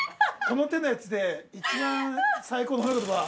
◆この手のやつで一番最高の誉め言葉。